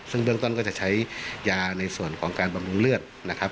ซึ่งเบื้องต้นก็จะใช้ยาในส่วนของการบำรุงเลือดนะครับ